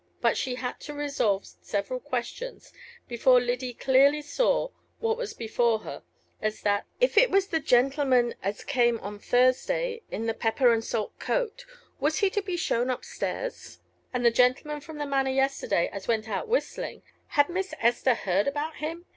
But she had to resolve several questions before Lyddy clearly saw what was before her as that, "if it was the gentleman as came on Thursday in the pepper and salt coat, was he to be shown up stairs? And the gentleman from the Manor yesterday as went out whistling had Miss Esther heard about him?